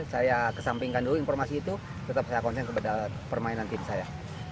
saya kesampingkan dulu informasi itu tetap saya konsen kepada permainan tim saya